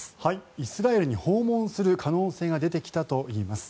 イスラエルに訪問する可能性が出てきたといいます。